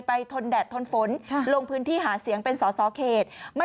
ทนแดดทนฝนลงพื้นที่หาเสียงเป็นสอสอเขต